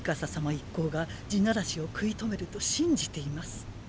一行が「地鳴らし」を食い止めると信じています。